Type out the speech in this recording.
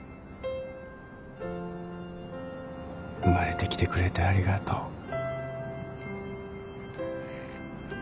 生まれてきてくれてありがとう。